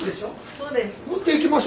そうです。